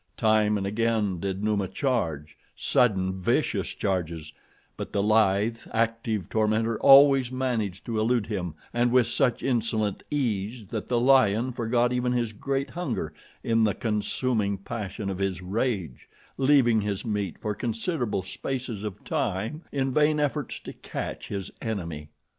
Time and again did Numa charge sudden, vicious charges but the lithe, active tormentor always managed to elude him and with such insolent ease that the lion forgot even his great hunger in the consuming passion of his rage, leaving his meat for considerable spaces of time in vain efforts to catch his enemy.